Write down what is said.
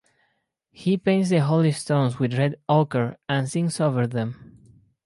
He paints the holy stones with red ochre and sings over them.